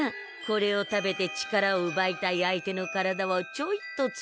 これを食べて力をうばいたい相手の体をちょいとつねればいいのさ。